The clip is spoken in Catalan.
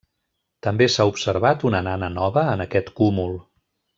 També s'ha observat una nana nova en aquest cúmul.